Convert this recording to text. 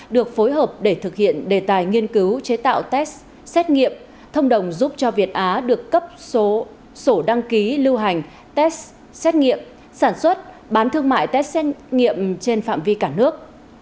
được phối hợp để thực hiện đề tài nghiên cứu chế tạo test xét nghiệm thông đồng giúp cho việt á được cấp số đăng ký lưu hành test xét nghiệm sản xuất bán thương mại test xét nghiệm trên phạm vi cả nước